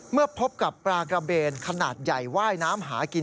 เมื่อพบกับปลากระเบนขนาดใหญ่ว่ายน้ำหากิน